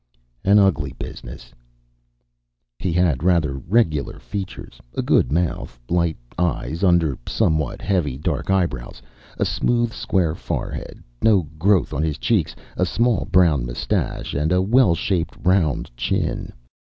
"An ugly business." He had rather regular features; a good mouth; light eyes under somewhat heavy, dark eyebrows; a smooth, square forehead; no growth on his cheeks; a small, brown mustache, and a well shaped, round chin.